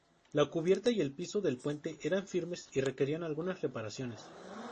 La cubierta y el piso del puente eran firmes y requerían algunas reparaciones.